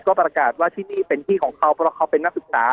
ก็ประกาศว่าที่นี่เป็นที่ของเขาเพราะเขาเป็นนักศึกษา